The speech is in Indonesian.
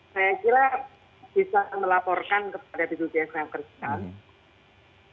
saya kira bisa melaporkan kepada bgjs naga kerjaan